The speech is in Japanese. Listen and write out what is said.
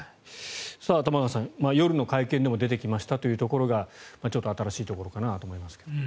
玉川さん、夜の会見でも出てきましたというところがちょっと新しいところかなと思いますが。